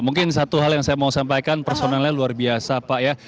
mungkin satu hal yang saya mau sampaikan personelnya luar biasa pak ya